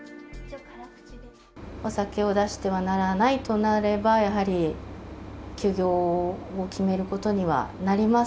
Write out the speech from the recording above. お酒を出してはならないとなれば、やはり休業を決めることにはなります。